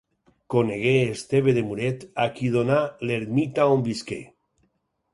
Conegué Esteve de Muret, a qui donà l'ermita on visqué.